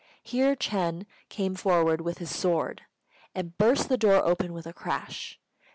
Here Ch'êng came forward with his sword, and burst the door open with a crash.